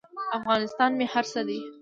افغانستان مې هر څه دی.